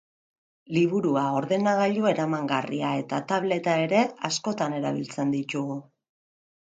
Liburua, ordenagailu eramangarria eta tableta ere askotan erabiltzen ditugu.